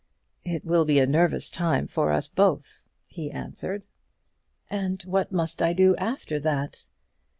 "It will be a nervous time for us both," he answered. "And what must I do after that?"